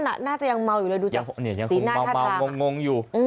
ลักษณะน่าจะยังเมาอยู่เลยดูจากสีหน้าท่าทาง